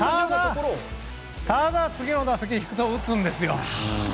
ただ、次の打席はヒットを打つんですよ。